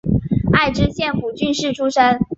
爱知县蒲郡市出身。